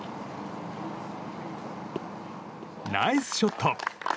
ナイスショット！